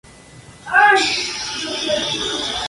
Murió en el campo de concentración alemán nazi de Bergen-Belsen.